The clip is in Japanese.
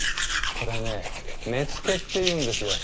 これね根付っていうんですよ。